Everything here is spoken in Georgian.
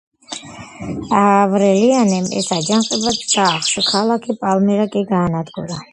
ავრელიანემ ეს აჯანყებაც ჩაახშო, ქალაქი პალმირა კი გაანადგურა.